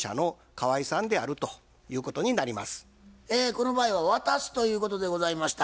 この場合は渡すということでございました。